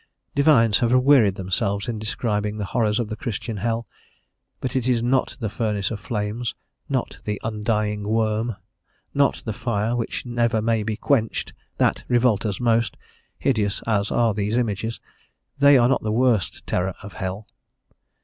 Divines have wearied themselves in describing the horrors of the Christian hell; but it is not the furnace of flames, not the undying worm, not the fire which never may be quenched, that revolt us most; hideous as are these images, they are not the worst terror of hell.